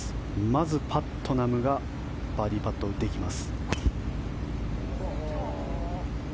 まず、パットナムがバーディーパットを打っていきます。